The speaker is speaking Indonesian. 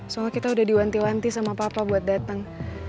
soalnya kita udah diwanti wanti sama papa buat datang